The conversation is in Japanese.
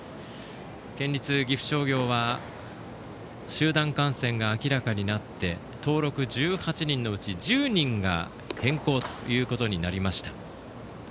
県立岐阜商業は集団感染が明らかになって登録１８人のうち１０人が変更となりました。